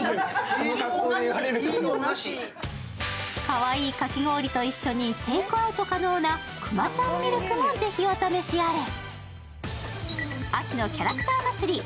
かわいいかき氷と一緒にテークアウト可能なくまちゃんミルクもぜひお試しあれ。